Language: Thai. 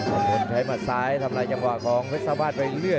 อันนี้ใช้มัดซ้ายทำลายจังหวะของเวสาบาทไปเรื่อย